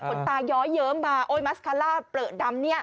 ตาย้อยเยิ้มมาโอ๊ยมัสคาร่าเปลือดำเนี่ย